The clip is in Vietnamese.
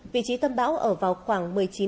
vị trí tâm bão ở vào khoảng